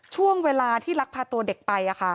ช่วงเวลาที่ลักพาตัวเด็กไป